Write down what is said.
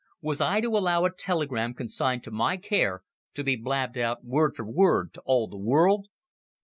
Was I to allow a telegram consigned to my care to be blabbed out word for word to all the world?"